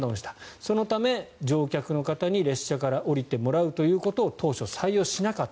そのため、乗客の方に列車から降りてもらうということを当初、採用しなかった。